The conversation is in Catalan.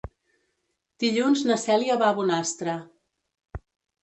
Dilluns na Cèlia va a Bonastre.